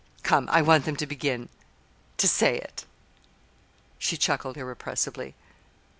Come, I want them to begin to say it," she chuckled irrepressibly.